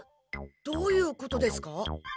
どういうことですか？